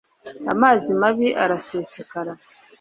amazi mabi arasesekara